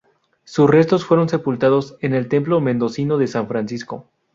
Sus restos fueron sepultados en el templo mendocino de San Francisco.